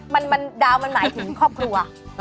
มันดาวมันหมายถึงครอบครัว